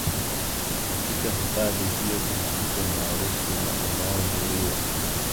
Katika hifadhi hiyo kuna Mto maarufu na unaovuriwa